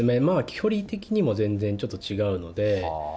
距離的にも全然ちょっと違うので。